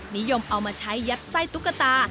นิยมเอามาใช้ยัดไส้ตุ๊กตา